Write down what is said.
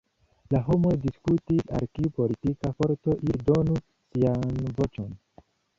La homoj diskutis al kiu politika forto ili donu sian voĉon.